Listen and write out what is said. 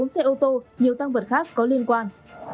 bốn xe ô tô nhiều tăng vật khác có liên quan